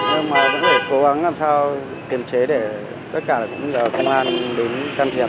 nhưng mà cũng phải cố gắng làm sao kiềm chế để tất cả là công an đến can thiệp